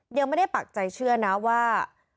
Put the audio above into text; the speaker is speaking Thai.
ยังไม่ได้ปักใจเชื่อนะว่า